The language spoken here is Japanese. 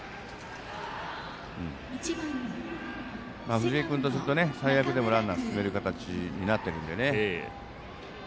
藤江君と最悪でもランナー進める形になってるんでね。